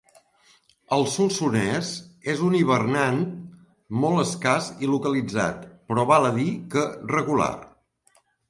Al Solsonès és un hivernant molt escàs i localitzat però val a dir que regular.